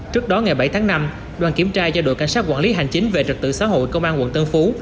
trước đó ngày bảy tháng năm đoàn kiểm tra do đội cảnh sát quản lý hành chính về trật tự xã hội công an quận tân phú